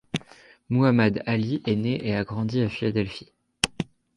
Muhammad Ali est né et a grandi à Philadelphie.